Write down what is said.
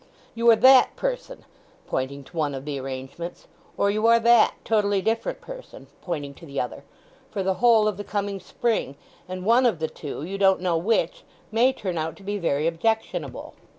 "You are that person" (pointing to one of the arrangements), "or you are that totally different person" (pointing to the other), "for the whole of the coming spring and one of the two, you don't know which, may turn out to be very objectionable."